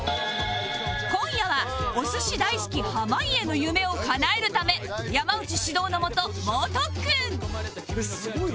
今夜はお寿司大好き濱家の夢をかなえるため山内指導のもと猛特訓